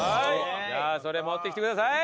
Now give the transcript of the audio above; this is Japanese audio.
じゃあそれ持ってきてください。